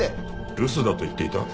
留守だと言っていた？